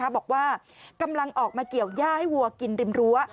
บอกว่ากำลังออกมาเกี่ยวย่าให้วัวกินริมรั้ว